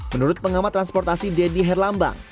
menurut pengamat transportasi deddy herlambang